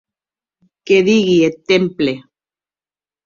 Qué digui eth temple!